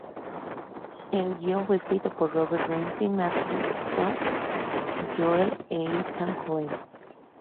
El guion fue escrito por Robert Ramsey, Matthew Stone, Joel e Ethan Coen.